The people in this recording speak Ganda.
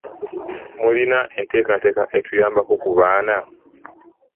Mulina enteekateeka etuyambako ku baana?